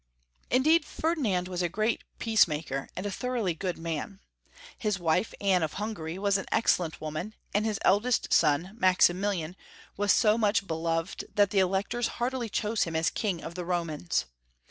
Indeed Ferdinand was a great peacemaker, and a thorouglily good man. His Avife, Anne of Hungary, was an excellent woman, and liis eldest son, Maxi milian, was so much beloved that the Electors heartily chose him as King of the Romans.